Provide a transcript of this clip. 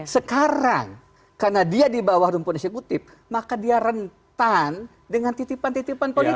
sekarang karena dia di bawah rumput eksekutif maka dia rentan dengan titipan titipan politik